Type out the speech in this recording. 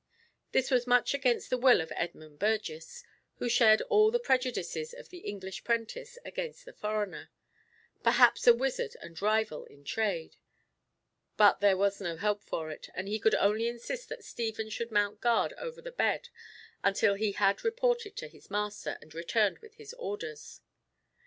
This was much against the will of Edmund Burgess, who shared all the prejudices of the English prentice against the foreigner—perhaps a wizard and rival in trade; but there was no help for it, and he could only insist that Stephen should mount guard over the bed until he had reported to his master, and returned with his orders.